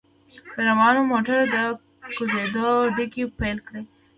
له روان موټره د کوزیدو دړکې پېل کړې.